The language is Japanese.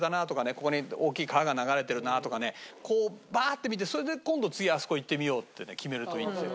ここに大きい川が流れてるなとかねこうバーッて見てそれで今度次あそこ行ってみようってね決めるといいんですよ。